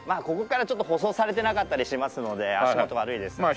ここからちょっと舗装されてなかったりしますので足元悪いです。